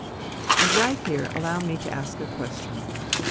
And right here allow me to ask a question.